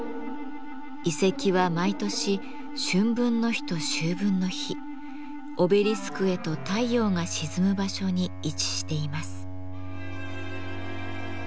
遺跡は毎年春分の日と秋分の日オベリスクへと太陽が沈む場所に位置しています。